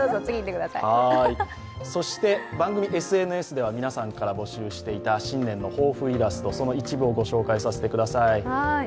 番組ＳＮＳでは皆さんから募集していた新年の抱負イラストの一部を御紹介させてください。